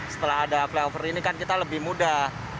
setelah ada flyover ini kan kita lebih mudah